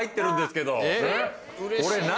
これ何？